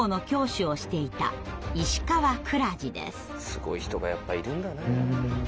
すごい人がやっぱりいるんだね。